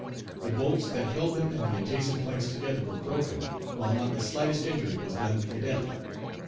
The bolts that held them and the adjacent planks together were broken, while not the slightest injury was done the cadet.